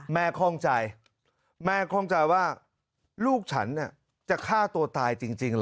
คล่องใจแม่คล่องใจว่าลูกฉันจะฆ่าตัวตายจริงเหรอ